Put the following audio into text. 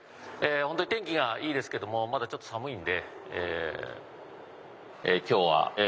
ほんとに天気がいいですけどもまだちょっと寒いんで。